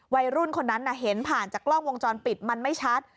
วัยรุ่นคนนั้นเห็นผ่านจากกล้องวงจรปิดมันไม่ชัด